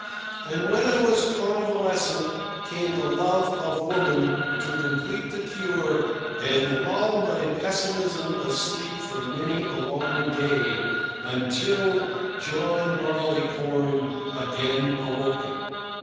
And when I was convalescent came the love of woman to complete the cure and lull my pessimism asleep for many a long day, until John Barleycorn again awoke it.